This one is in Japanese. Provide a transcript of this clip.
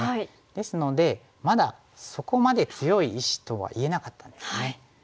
ですのでまだそこまで強い石とは言えなかったんですね。